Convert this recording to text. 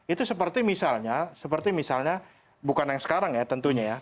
itu seperti misalnya seperti misalnya bukan yang sekarang ya tentunya ya